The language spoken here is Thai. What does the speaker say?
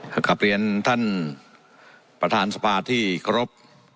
มากับเรียนท่านสผ้าที่กรพ